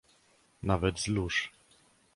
"nawet z lóż..."